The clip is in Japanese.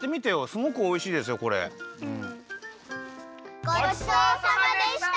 ごちそうさまでした！